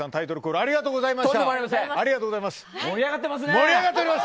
ありがとうございます。